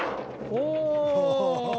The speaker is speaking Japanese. お。